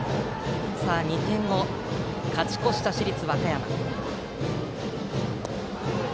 ２点を勝ち越した市立和歌山。